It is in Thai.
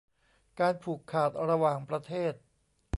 การผูกขาดระหว่างประเทศ